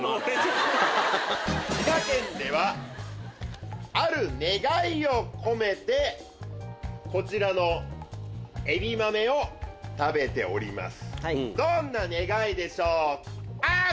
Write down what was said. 滋賀県ではある願いを込めてこちらのえび豆を食べております。